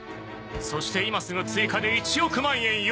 そして今すぐ追加で１億万円用意しろ。